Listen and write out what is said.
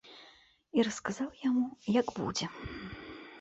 І расказаў яму, як будзе.